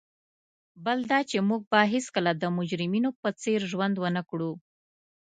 بل دا چي موږ به هیڅکله د مجرمینو په څېر ژوند ونه کړو.